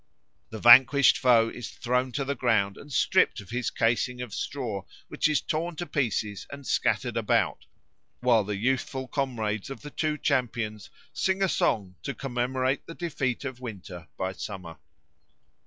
The vanquished foe is thrown to the ground and stripped of his casing of straw, which is torn to pieces and scattered about, while the youthful comrades of the two champions sing a song to commemorate the defeat of Winter by Summer.